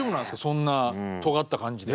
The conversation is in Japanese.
そんなとがった感じで。